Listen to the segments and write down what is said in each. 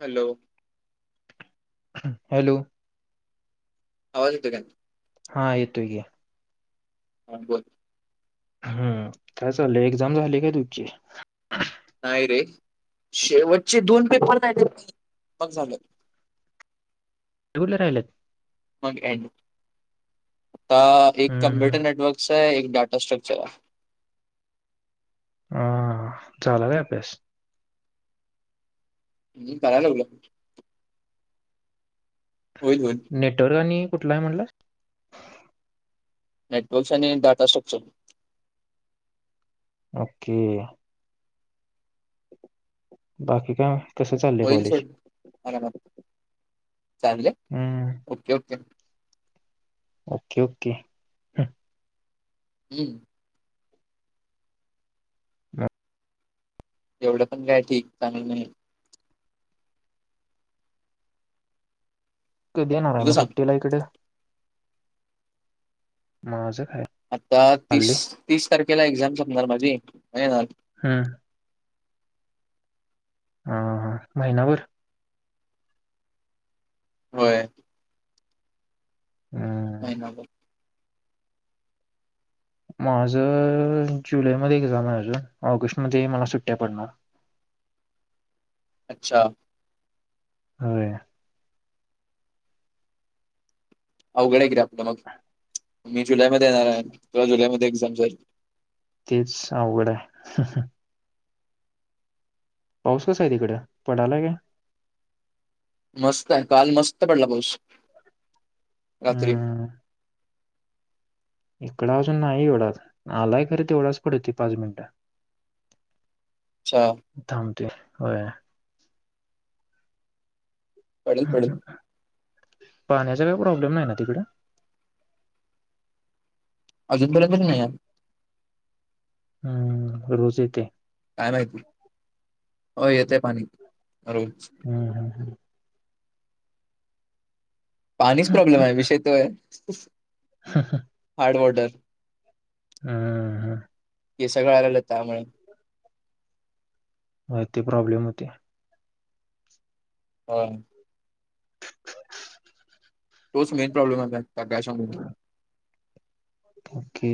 Hello hello आवाज येतोय काय हा येतोय घे हा बोल हम्म काय चाललंय एक्झाम झाली काय तुमची नाही रे शेवटचे दोन पेपर न्हाय द्यायचे मग झाल [unintelligible] कुठलं राहिलय मग एंड आता एक हम्म कम्प्युटर हम्म नेटवर्कच चा एक डाटा स्ट्रक्चर हाय ह झाला काय अभ्यास अजून कराय लागलोय नेटवर्क आणि कुठलाय म्हंटलास नेटवर्क्स आणि डाटा स्ट्रक्चर ओके बाकी काय मग कसं चाललंय होईल कॉलेज सोड चालय हम्म ओके, ओके ओके, ओके हम्म हम एवढं पण काय ठीक चालेल नाही कधी येणार आहे तुझं मग सांग सुट्टीला इकडे माजं आता तीस, तीस तारखेला एक्झाम संपणार माझी येणार हम् हा, हा महिनाभर होय हम् महिनाभर माझ जुलैमध्ये एक्झाम आहे अजून ऑगस्टमध्येध्ये मला सुट्ट्या पडणार अच्छा हो अवघड आहे कि आपलं मग मी जुलै म येणार आहे त जुलै म एक्झाम झाली तेच अवघड आहे पाऊस कसा आहे तिकड पडलाय का मस्त आहे काल मस्त पडला पाऊस रात्री हम्म इकड अजून नाही एवढाच आलाय खर तेवढाच पड होती पाच मिनिट अच्छा थमते होय पडल, पडल पाण्याचा काय प्रॉब्लेम नाही ना तिकडं अजून पर्यंत तरी नाही या हम्म रोज येते काय माहिती हो येते पाणी रोज ह, ह, ह पाणीच हम्म प्रॉब्लेम आहे विषय त आहे हार्ड वॉटर हम्, हम हे सगळं आलेलं त्यामुळे ते प्रॉब्लेम होते हो तोच मेन प्रॉब्लेम आहेता गॅशमून ओके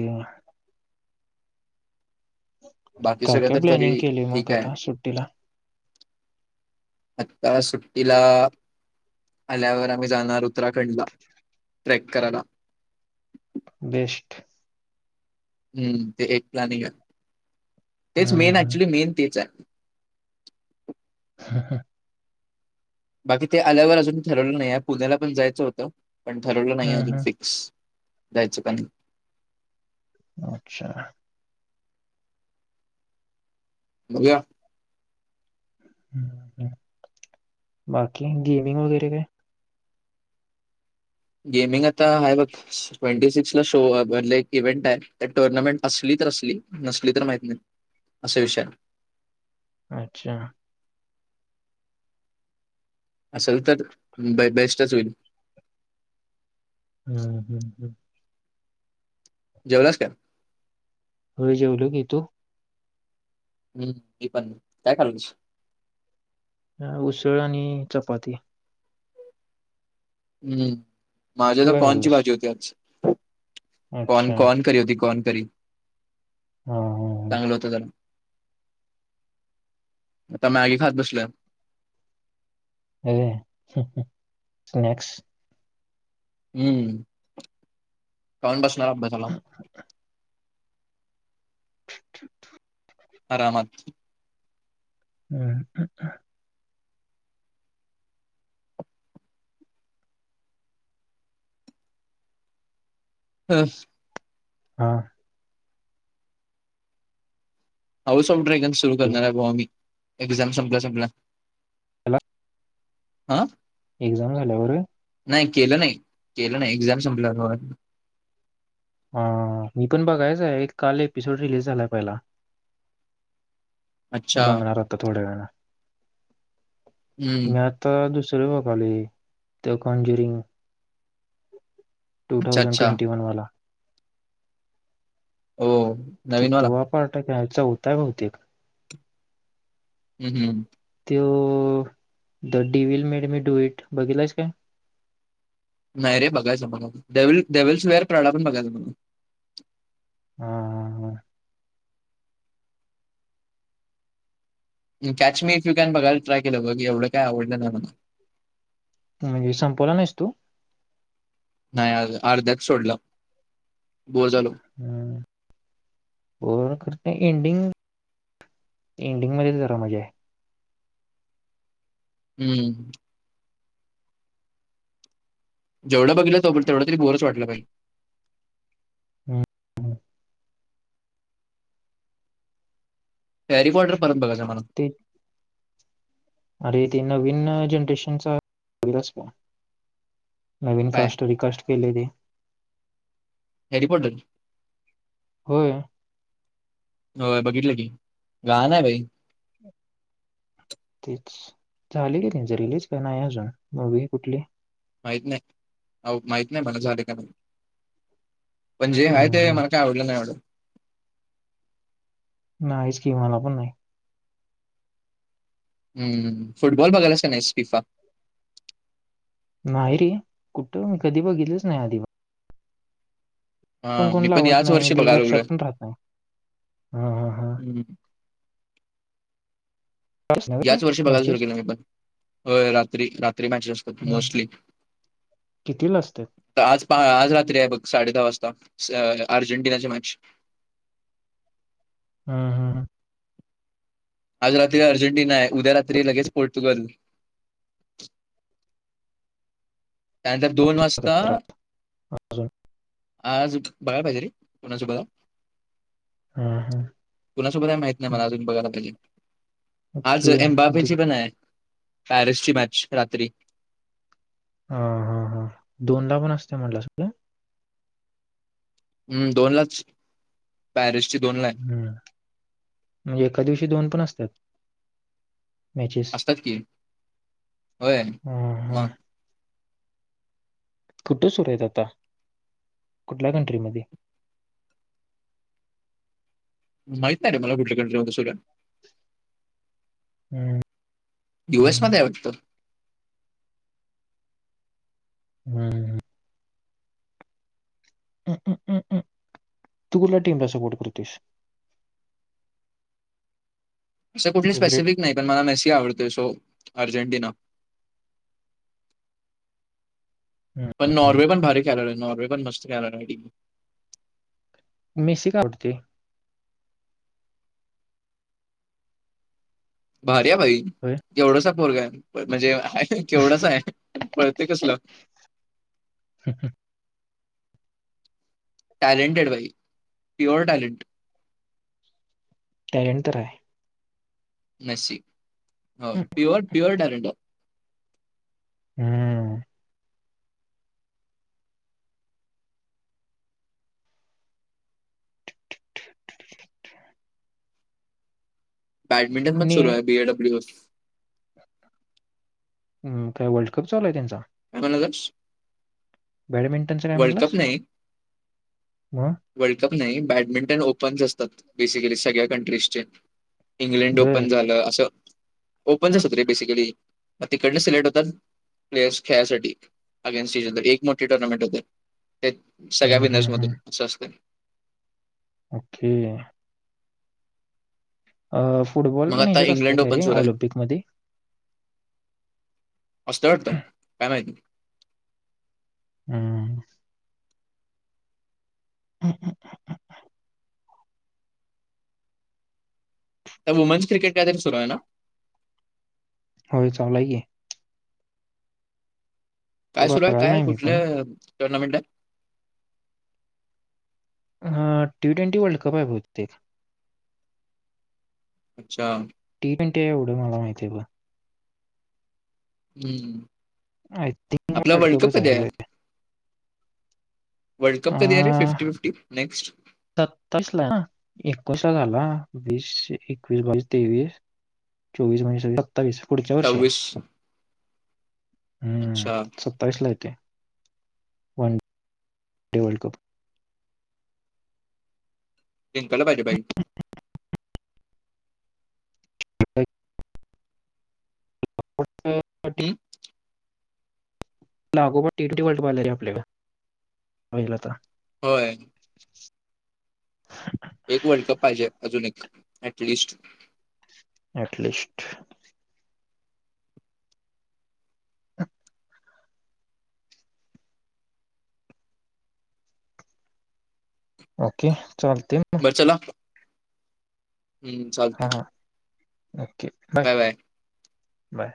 बाकी काय सगळं काय तर तरी प्लॅनिंग केली मग ठीक आहे आता सुट्टीला आत्ता सुट्टीला आल्यावर आम्ही जाणार उत्तराखंडला ट्रेक करायला बेस्ट हम्म ते एक प्लनिंग तेच हम्म मेन हम्म ऍक्च्युली मेन तेच आहे [inaudible] हा ह बाकी ते आल्यावर अजून ठरवलं नाही पुण्याला पण जायचं होतं पण ठरवलं नाही हम्म अजून हम्म फिक्स जायच का अच्छा बज्या बाकी गेमिंग वगैरे काय गेमिंग आता आहे बघ ट्वेंटी सिक्स ला शो म्ह एक इव्हेंट आहे टुर्नामेंट असलीच असली नसली तर माहित नाही असे विषय अच्छा. असेल तर ब बेस्टच होईल. हम्म हम्म हम्म. जेवलास का. होय जेवलो की तू? हम्म हो मी पण काय खाल्लस? अ उसळ आणि चपाती. हम्म माझ्या तू तर काय कॉर्नची खाल्लंस भाजी होती आज. कॉर्न अच्छा कॉर्नकरी होती कॉर्नकरी. हा हा हा. आता मॅगी खात बसलोया. आहे की नाही स्नॅक्स. हम्म खाऊच बसणार अभ्यासाला. [inaudible] आरामत. [inaudible] अस. हा. हाऊस ऑफ ड्रॅगन सुरू ठेव. करणार आहे बुवा मी एक्झाम संपल्या संपल्या त्याला अ एक्झाम झाल्यावर. नाही केलं नाही केलं नाही एक्झाम संपल्यावर अ मी पण बघायच आहे काल एपिसोड रिलीज झालाय पहिला. अच्छा बघणार आता थोड्यावेळाने हम्म मी आता दुसर तुलबापाने तर कॉर्न जिरिंग टू अच्छा थाउजंड अच्छा ट्वेंटी वन वाला. हो नवीनवाला हा चौथा आहे बहुतेक हम्म हम्म. तु the devil made me do it बघितलायस काय. नाही रे बघायचं मला डेव्हिल्स डेव्हिल्स वेअर प्राड पण बघायचा मला. हा हा हा. Catch me if you can बघायला ट्राय केलं बी एवढं काय आवडलं नाही मला म्हणजे संपवला नाहीस तू नाही अर्ध्यात सोडला. हम्म ओळाना खर नाही एंडिंग एंडिंग मध्येच जरा मजा आहे. हम्म. जेवढं बघितलं त तेवढा तरी बोरच वाटल भाई. हम्म. हॅरी कॉडर परत बघायचा मला. ते अरे ते नवीन जनरेशनचा बघलास का? नवीन काय? कास्ट रिकास्ट केले ते हॅरी पॉटर? होय. हो बघितलं की गाण आहे भाई. तेच झाली का त्यांची रिलीज का नाही अजून मूवी कुठली? माहित नाही माहित नाही मला झाले का नाही. पण जे आहे हम्म, ते हम्म. मला काय आवडलं नाही येवढ. नाहीच की मला पण नाही. हम्म फुटबॉल बघायलाच नाही फीफा? नाही रे, कुठं, मी कधी बघितलच नाही आधी पण हां, कोण मी लावत याच नाही वर्षी ते बघायला लक्षात लागलोय. पण राहत नाही हा हा हा [inaudible] हं. याच वर्षी बघायला सुरू केलं मी पण होय रात्री रात्री मॅचेस असतात मोस्टली कितीला असतात आज पाहा आज रात्री आहे बघ साडे दहा वासता अ अर्जंटिनाची मॅच हम्म हम् आज रात्री अर्जेंटिना आहे उद्या रात्री लगेच पोर्तुगल त्यानंतर दोन हम्म. वासता राहत अजून आज बघाय पाहिजे रे कोणा सो हा हम्म, हम्म. कुणासोबत हाय माहित नाही मला अजून बघायला पाहिजे आज ओके दु- एम्बापेची पण आहे पॅरिसची मॅच रात्री हा हा हा दोनदा पण असते म्हटलं सगळं हम्म दोन लाच पॅरिस हम्म म्हणजे एका दिवशी दोन पण असतात. मॅचेस असतात कि होय मग कुठं सुरू आहेत आता कुठल्या कंट्रीमध्ये माहित नाही रे मला कुठल्या कंट्रीमध्ये सुरूय हम्म युएस मध्ये आहे वाटतं हम्म ह अ म-म-म तु कुठल्या टीमला सपोर्ट करतेस. असं कुठली फेवरेट स्पेसिफिक नाही पण मला मेसी आवडतोय सो अर्जेंटिना पण नॉर्वे पण भारी खेलाला आहे नॉर्वे पण मस्त खेलेला आहे टीम मेसी का आवडते. भारीया भाई होय एवढासा पोरग आहे म्हणजे केवढंच आहे पळते कसलं टॅलेंटेड भाई प्युअर टॅलेंट टॅलेंट तर आहे. नशी हो हम्म. प्युर प्युरड टॅलेंट आहे. हम्मम [inaudible] बॅडमिंटन मॅच ने सुरू आहे बी ए डब्ल्यू एफ हम काय वर्ल्ड कप चालूय त्यांचा [unintelligible] बॅडमिंटनचं काय वर्ल्डकप म्हणलास नाही मग वर्ल्डकप नाही बॅडमिंटन ओपन्स असतात बेसिकली सगळ्या कंट्रीजचे इंग्लंड ओपन बर झालं असं ओपनचच असत रे बेसिकली मग तिकडन सिलेक्ट होतात. प्लेयर्स खेळायसाठी अगेन्स् स्टेजन एक मोठी टुर्नामेंट होते. ते सगळ्या हम्म, विनर्स हम्म, हम्म. मधून असं असतं. ओके अ फुटबॉल मग पण आता ह्याच्यात असते इंग्लंड काय ओपन रे ऑलिम्पिकमध्ये असतय वाटत काय माहिती हम्म हा-हा-ह-ह-ह तर वुमेन्स क्रिकेट का दिन सुरू आहे ना होय चालू हाय की ते काय सुरू आहे बघायला काय नाही मी कुठल्या पण टुर्नामेंटात ह टी ट्वेंटी वर्ल्ड कप आहे बहुतेक. अच्छा. टीम इंटिया एवढं मला माहिती आहे बघ. हम्म. आय थिंक वर्ल्ड कपच आहे व वर्ल्ड कप कधी अरे अं, फिफ्टी फिफ्टी नेक्स्ट सत्तावीस ला एकोस झाला वीस एकवीस बावीस तेवीस चोवीस महि सत्तावीस पुढच्या वर्षी आहे. हम्म अच्छा. सत्तावीस ला येते. वन वर्ल्ड कप तिकला पार बाई. [unintelligible] ह. हम्म. लागोपाटटी वालट पाहिला रे आपल्याकईला तर होय. ह. एक वर्ल्ड कप पाहिजे अजून एक ऍटलिस्ट एटलिस्ट. ओके चालते मग हम्म हा चालते. हा ओके बाय बाय.